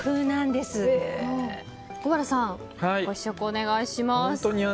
小原さん、ご試食お願いします。